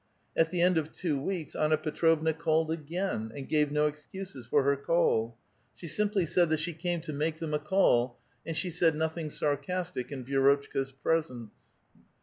At the end of two weeks Anna Petrovna called again, and gave no excuses for her call. She simply said that she came to make them a call, and she said nothing sarcastic in Vierotchka*s pres ence.